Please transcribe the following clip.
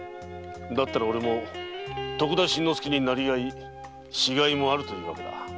だったらおれも徳田新之助になりがいしがいもあるというものだ。